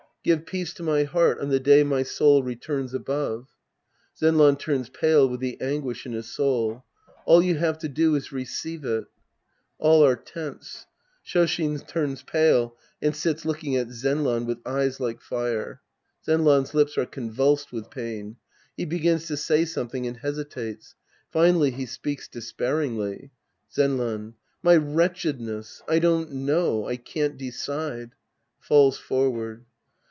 Give peace to my heart on the day my soul returns above. (Zenran turns pale with the anguish in his soul.) All you have to do is receive it. {Ml are tense. Shoshin turns pale and sits looking at Zenran with eyes like fire. Zenran's lips are con vulsed with pain. He begins to say something atid hesitates. Finally he speaks despairingly^ Zenran. My wretchedness — I don't know. I can't decide. {Falls forward.